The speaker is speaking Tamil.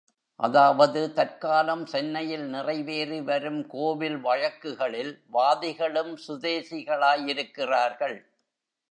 அதாவது தற்காலம் சென்னையில் நிறைவேறி வரும் கோவில் வழக்குகளில் வாதிகளும் சுதேசிகளாயிருக்கிறார்கள்.